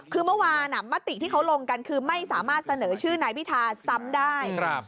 คือเมื่อวานมติที่เขาลงกันคือไม่สามารถเสนอชื่อนายพิธาซ้ำได้